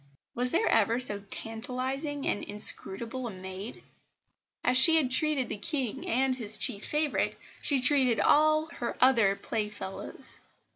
Was there ever so tantalising and inscrutable a maid? And as she had treated the King and his chief favourite, she treated all her other playfellows.